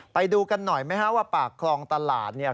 ไปดูกันหน่อยไหมฮะว่าปากคลองตลาดเนี่ย